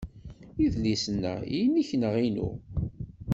Idlisen-a inekk neɣ inu?